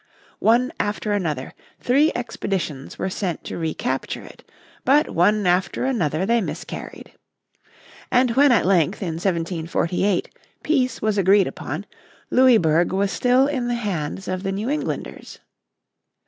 One after another, three expeditions were sent to recapture it, but one after another they miscarried. And when at length, in 1748, peace was agreed upon, Louisburg was still in the hands of the New Englanders.